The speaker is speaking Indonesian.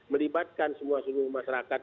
melibatkan semua seluruh masyarakat